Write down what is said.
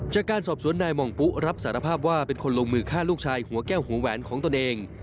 จากการสอบสวนนายหม่องปุ๊รับสารภาพว่าเป็นคนลงมือฆ่าลูกชายหัวแก้วหัวแหวนของตนเอง